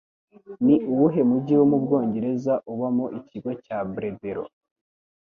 Ni uwuhe mujyi wo mu Bwongereza ubamo ikigo cya Bredero?